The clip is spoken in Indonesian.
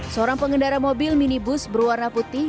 seorang pengendara mobil minibus berwarna putih